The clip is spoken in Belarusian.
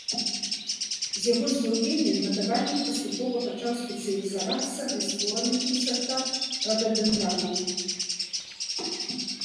З яго з'яўленнем гадавальнік паступова пачаў спецыялізавацца на створаных ім сартах рададэндранаў.